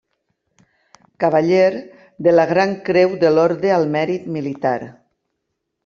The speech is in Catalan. Cavaller de la Gran Creu de l'Orde al Mèrit Militar.